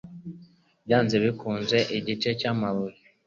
byanze bikunze) Igice cy'amabuye